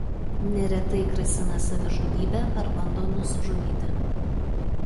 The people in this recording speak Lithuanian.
Neretai grasina savižudybe ar bando nusižudyti.